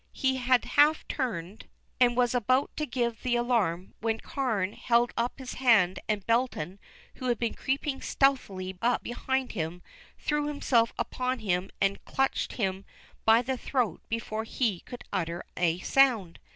He had half turned, and was about to give the alarm, when Carne held up his hand, and Belton, who had been creeping stealthily up behind him, threw himself upon him and had clutched him by the throat before he could utter a sound.